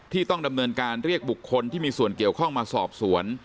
ต้องดำเนินการเรียกบุคคลที่มีส่วนเกี่ยวข้องมาสอบสวน